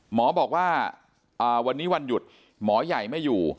หมอบอกว่าวันนี้วันหยุดหมอใหญ่ไม่อยู่